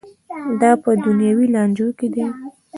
دا په دنیوي لانجو کې ده.